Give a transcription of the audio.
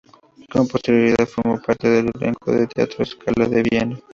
Con posterioridad formó parte del elenco del Teatro Scala de Viena.